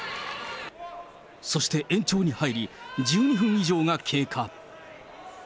そして延長に入り、１２分以上が経過。